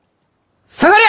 下がりゃ！